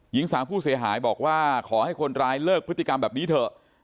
หญิงสาวผู้เสียหายบอกว่าขอให้คนร้ายเลิกพฤติกรรมแบบนี้เถอะ